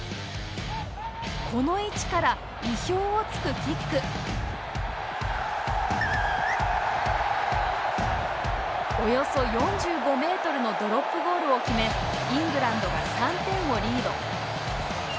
この位置から意表をつくキックおよそ４５ｍのドロップゴールを決めイングランドが３点をリード。